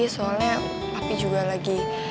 soalnya papi juga lagi